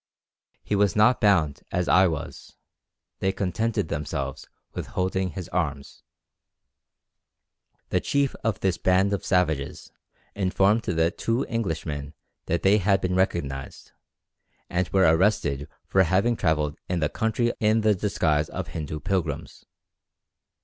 He was not bound as I was; they contented themselves with holding his arms." [Illustration: "Two soldiers held me."] The chief of this band of savages informed the two Englishmen that they had been recognized, and were arrested for having travelled in the country in the disguise of Hindu pilgrims.